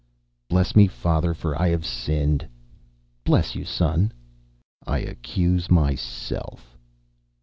"Bless me, father, for I have sinned." "Bless you, son." "I accuse myself